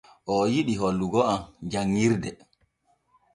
Oo yiɗi hollugo am janŋirde.